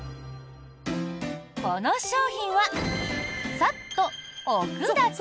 この商品は、サッと置くだけ。